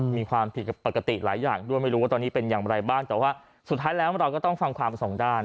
มีความผิดปกติหลายอย่างด้วยไม่รู้ว่าตอนนี้เป็นอย่างไรบ้างแต่ว่าสุดท้ายแล้วเราก็ต้องฟังความสองด้าน